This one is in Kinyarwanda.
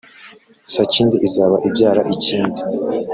Sakindi izaba ibyara ikindi.